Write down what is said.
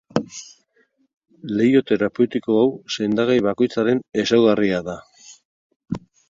Leiho terapeutiko hau sendagai bakoitzaren ezaugarria da.